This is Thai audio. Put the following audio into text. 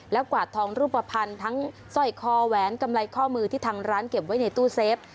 กวาดทองรูปภัณฑ์ทั้งสร้อยคอแหวนกำไรข้อมือที่ทางร้านเก็บไว้ในตู้เซฟ